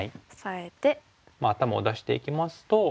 頭を出していきますと。